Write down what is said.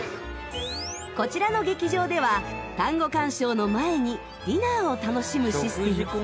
こちらの劇場ではタンゴ鑑賞の前にディナーを楽しむシステム。